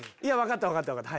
分かった分かった